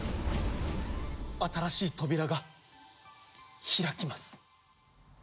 新しい扉が、開きます。